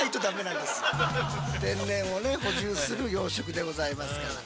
天然をね補充する養殖でございますから。